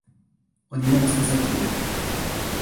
Он не мог сказать ей это.